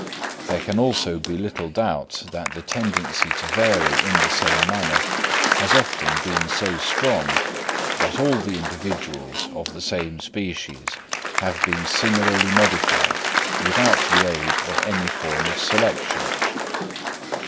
There can also be little doubt that the tendency to vary in the same manner has often been so strong that all the individuals of the same species have been similarly modified without the aid of any form of selection.